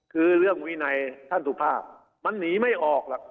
คือเรื่องวินัยท่านสุภาพมันหนีไม่ออกหรอก